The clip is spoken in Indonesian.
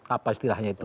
apa istilahnya itu